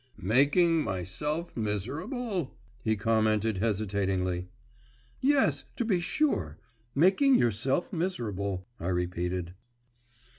'Making myself miserable?' he commented hesitatingly. 'Yes, to be sure making yourself miserable!' I repeated.